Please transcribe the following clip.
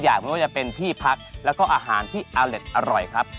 ตามแอฟผู้ชมห้องน้ำด้านนอกกันเลยดีกว่าครับ